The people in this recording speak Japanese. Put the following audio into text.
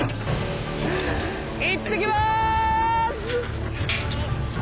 いってきます！